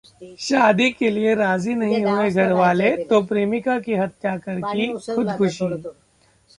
शादी के लिए राजी नहीं हुए घरवाले, तो प्रेमिका की हत्या कर की खुदकुशी